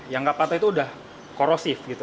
yang gak patah itu udah korosif gitu